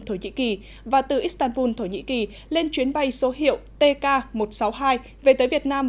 thổ nhĩ kỳ và từ istanbul thổ nhĩ kỳ lên chuyến bay số hiệu tk một trăm sáu mươi hai về tới việt nam